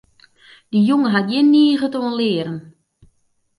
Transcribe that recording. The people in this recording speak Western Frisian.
Dy jonge hat gjin niget oan learen.